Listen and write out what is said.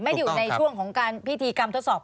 อยู่ในช่วงของการพิธีกรรมทดสอบ